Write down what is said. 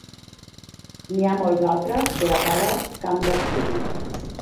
N'hi ha molts altres per a cada camp d'estudi.